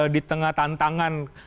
di tengah tantangan